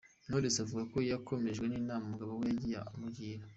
Knowless avuga ko yakomejwe n’inama umugabo we yagiye amugira.